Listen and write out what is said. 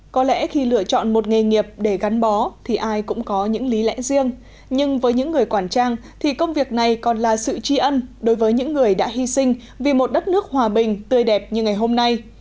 có lẽ khi lựa chọn một nghề nghiệp để gắn bó thì ai cũng có những lý lẽ riêng nhưng với những người quản trang thì công việc này còn là sự tri ân đối với những người đã hy sinh vì một đất nước hòa bình tươi đẹp như ngày hôm nay